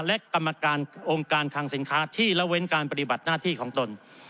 และกรรมการองค์การคังสินค้าที่ละเว้นการปฏิบัติหน้าที่ของตน